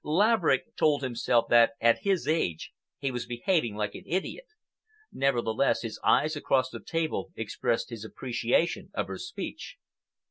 Laverick told himself that at his age he was behaving like an idiot, nevertheless his eyes across the table expressed his appreciation of her speech.